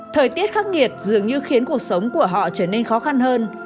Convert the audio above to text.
thời tiết khắc nghiệt dường như khiến cuộc sống của họ trở nên khó khăn hơn